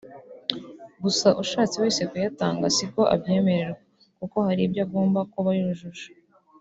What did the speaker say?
gusa ushatse wese kuyatanga si ko abyemererwa kuko hari ibyo agomba kuba yujuje